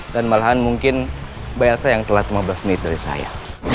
dan malahan mungkin bayar saya yang telat lima belas menit dari saya